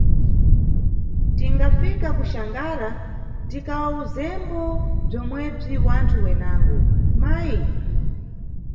Tingafika kuXangara, tikawuzembo bzomwebzi wanthu wenango, mayi?